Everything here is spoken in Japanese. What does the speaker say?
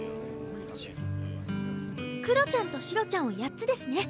クロちゃんとシロちゃんを８つですね。